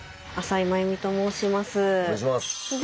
お願いします。